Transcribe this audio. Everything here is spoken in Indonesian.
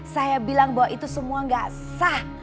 saya bilang bahwa itu semua gak sah